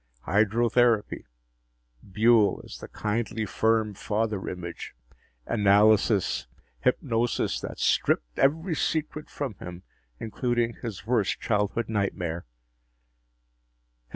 Hydrotherapy ... Buehl as the kindly firm father image ... analysis ... hypnosis that stripped every secret from him, including his worst childhood nightmare.